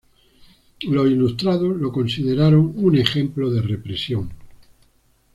Los "ilustrados" lo consideraron un ejemplo de represión.